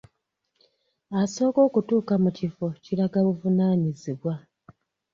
Asooka okutuuka mu kifo kiraga buvunaanyizibwa.